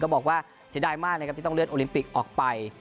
บอกว่าเสียดายมากนะครับที่ต้องเลื่อนโอลิมปิกออกไป